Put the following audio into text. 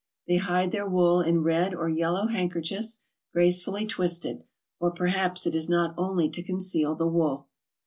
They hide their wool in red or yellow handkerchiefs, gracefully twisted ; or perhaps it is not only to conceal the wool.